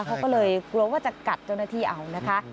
เขาก็เลยกลัวว่าจะกัดเจ้าหน้าที่เอานะคะ